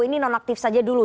ini nonaktif saja dulu